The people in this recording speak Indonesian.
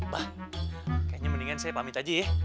wah kayaknya mendingan saya pamit aja ya